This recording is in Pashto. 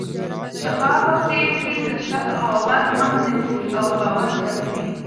شفافه پرېکړې د شک او اوازو مخه نیسي او باور زیاتوي